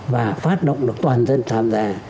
và phát động được toàn dân tham gia